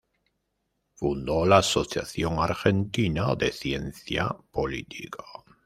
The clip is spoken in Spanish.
Fundó la Asociación Argentina de Ciencia Política.